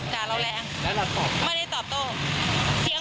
ด่าเราแรง